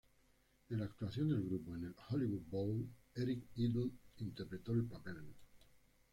En la actuación del grupo en el Hollywood Bowl, Eric Idle interpretó el papel.